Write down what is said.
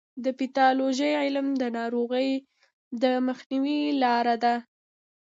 د پیتالوژي علم د ناروغیو د مخنیوي لاره ده.